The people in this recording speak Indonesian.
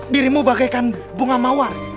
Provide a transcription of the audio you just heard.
dirimu bagaikan bunga mawar